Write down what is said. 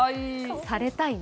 されたいね。